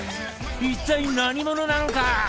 一体何者なのか？